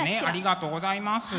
ありがとうございます。